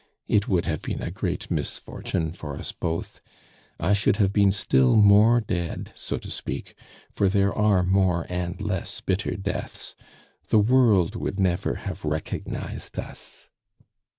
It would have been a great misfortune for us both; I should have been still more dead, so to speak for there are more and less bitter deaths. The world would never have recognized us.